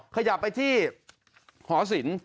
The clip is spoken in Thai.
ขยับไปที่หอสิน